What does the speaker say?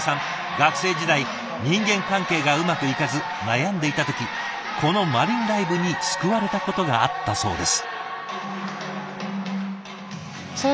学生時代人間関係がうまくいかず悩んでいた時このマリンライブに救われたことがあったそうです。